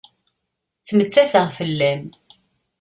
Ttmettateɣ fell-am.